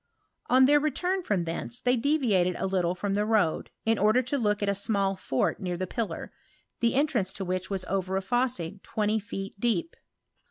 On their return from thence they deviated a little from the road, in order to look at a small fort near the pillar, the entrance to which was over a fosse twenty feet deep.